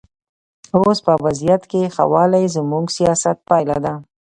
اوس په وضعیت کې ښه والی زموږ سیاست پایله ده.